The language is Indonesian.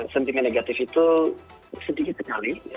sentimen negatif itu sedikit sekali